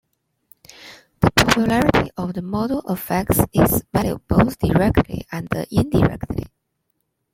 The popularity of the model affects its value both directly and indirectly.